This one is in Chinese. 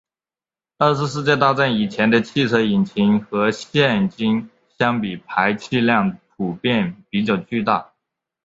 二次世界大战以前的汽车引擎和现今相比排气量普遍比较巨大。